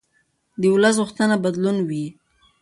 د ولس غوښتنه بدلون وي